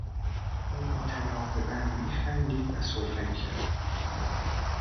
او متناوبا میخندید و سرفه میکرد.